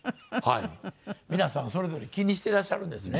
皆さんもそれぞれ気にしていらっしゃるんですね。